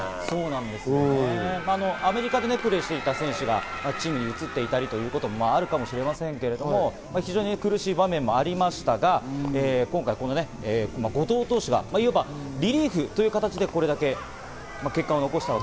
アメリカでプレーしていた選手がチームに移っていたりということもあるかもしれませんけど、非常に苦しい場面もありましたが今回、後藤投手がいわばリリーフという形でこれだけ結果を残した。